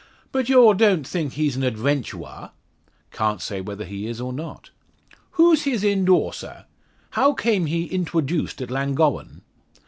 "But yaw don't think he's an adventuwer?" "Can't say whether he is, or not." "Who's his endawser? How came he intwoduced at Llangowen?"